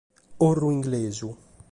Corru inglesu.